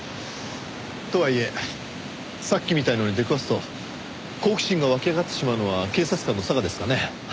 とはいえさっきみたいのに出くわすと好奇心が湧き上がってしまうのは警察官の性ですかね。